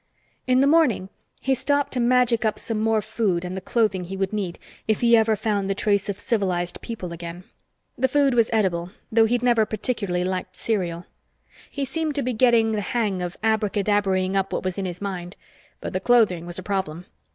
In the morning, he stopped to magic up some more food and the clothing he would need if he ever found the trace of civilized people again. The food was edible, though he'd never particularly liked cereal. He seemed to be getting the hang of abracadabraing up what was in his mind. But the clothing was a problem.